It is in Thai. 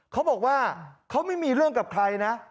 เขาบอกว่าเขาไม่มีเรื่องกับใครนะ